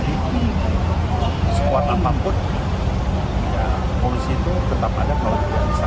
dki sekuat kuat pun polusi itu tetap ada kalau kita bisa